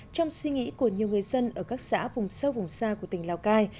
trong suy nghĩ của nhiều người dân ở các xã vùng sâu vùng xa của tỉnh lào cai